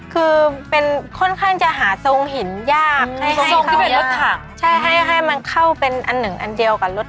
คือเป็นค่อนข้างจะหาทรงหินยากดูมาถามให้มาเข้าไปอันหนึ่งอย่างเดียวกับลด